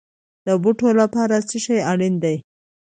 د بوټو لپاره څه شی اړین دی؟